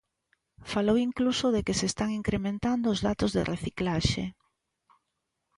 Falou incluso de que se están incrementando os datos de reciclaxe.